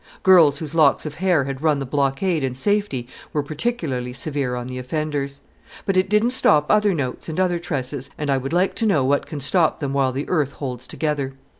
Girls whose locks of hair had run the blockade in safety were particularly severe on the offenders. But it didn't stop other notes and other tresses, and I would like to know what can stop them while the earth holds together.